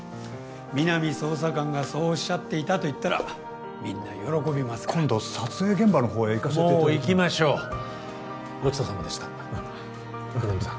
皆実捜査官がそうおっしゃっていたと言ったらみんな喜びますから今度撮影現場のほうへ行かせもう行きましょうごちそうさまでした皆実さん